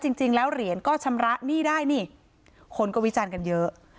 จริงแล้วเหรียญก็ชำระหนี้ได้นี่คนก็วิจารณ์กันเยอะ